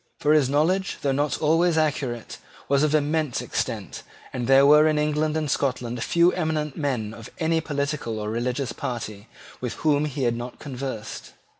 For his knowledge, though not always accurate, was of immense extent and there were in England and Scotland few eminent men of any political or religious party with whom he had not conversed.